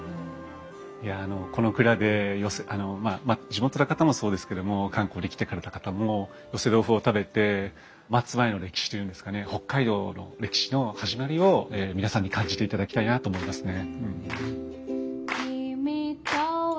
いやあのこの蔵で地元の方もそうですけども観光で来てくれた方も寄せ豆腐を食べて松前の歴史というんですかね北海道の歴史の始まりを皆さんに感じていただきたいなと思いますね。